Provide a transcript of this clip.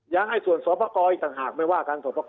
ยังไอ้ส่วนศพกอีกต่างหากไม่ว่ากัน